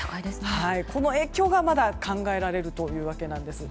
この影響がまだ考えられるというわけです。